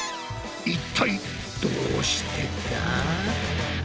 一体どうしてだ？